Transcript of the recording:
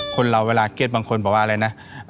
คนเราเวลาเก็ตบางคนบอกว่าอะไรนะ